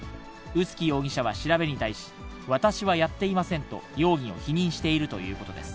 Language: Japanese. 臼杵容疑者は調べに対し、私はやっていませんと、容疑を否認しているということです。